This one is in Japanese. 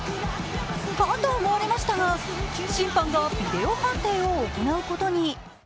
かと思われましたが審判がビデオ判定を行うことに。